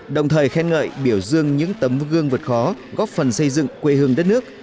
đồng thời khen ngợi biểu dương những tấm gương vượt khó góp phần xây dựng quê hương đất nước